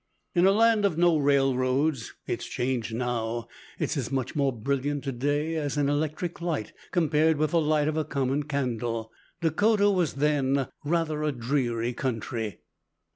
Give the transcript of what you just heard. In a land of no railroads (it's changed now; it's as much more brilliant to day as an electric light compared with the light of a common candle), Dakota was then rather a dreary country.